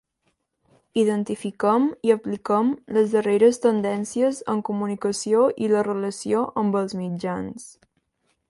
Identifiquem i apliquem les darreres tendències en comunicació i la relació amb els mitjans.